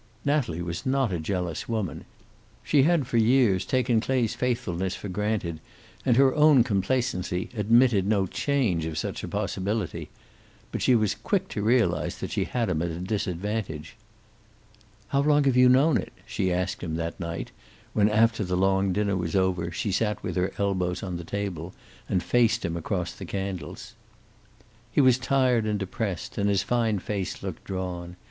Natalie was not a jealous woman. She had, for years, taken Clay's faithfulness for granted, and her own complacency admitted no chance of such a possibility. But she was quick to realize that she had him at a disadvantage. "How long have you known it?" she asked him that night, when, after the long dinner was over, she sat with her elbows on the table and faced him across the candles. He was tired and depressed, and his fine face looked drawn.